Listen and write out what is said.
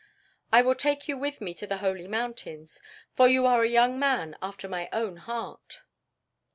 I will take you with me to the Holy Mountains, for you are a young man after my own heart."